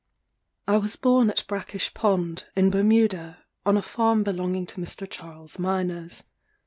I was born at Brackish Pond, in Bermuda, on a farm belonging to Mr. Charles Myners.